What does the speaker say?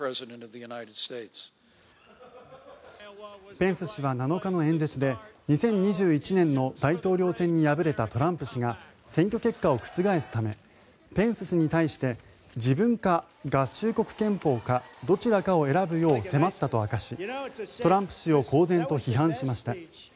ペンス氏は７日の演説で２０２１年の大統領選に敗れたトランプ氏が選挙結果を覆すためペンス氏に対して自分か合衆国憲法かどちらかを選ぶよう迫ったと明かし、トランプ氏を公然と批判しました。